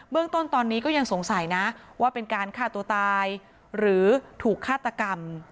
เรื่องต้นตอนนี้ก็ยังสงสัยนะว่าเป็นการฆ่าตัวตายหรือถูกฆาตกรรม